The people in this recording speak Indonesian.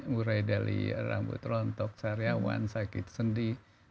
murai dari rambut rontok sariawan sakit sendi